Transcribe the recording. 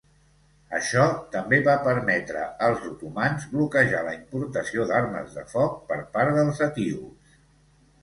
Això també va permetre als otomans bloquejar la importació d'armes de foc per part dels etíops.